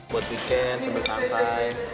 buat weekend sambil santai